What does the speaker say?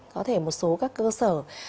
có thể một số các cơ sở